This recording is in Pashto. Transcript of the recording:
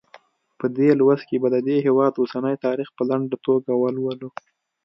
په دې لوست کې به د دې هېواد اوسنی تاریخ په لنډه توګه ولولو.